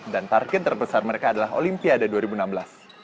dan target terbesar mereka adalah olimpiade dua ribu enam belas